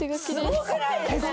すごくないですか？